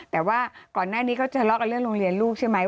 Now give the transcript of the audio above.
แต่ว่าก่อนหน้านี้เขาทะเลาะกันเรื่องโรงเรียนลูกใช่ไหม